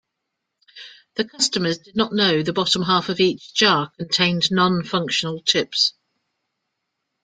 The customers did not know the bottom half of each jar contained non-functional chips.